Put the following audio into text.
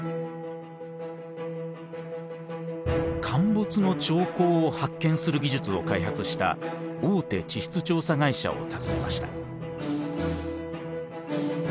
陥没の兆候を発見する技術を開発した大手地質調査会社を訪ねました。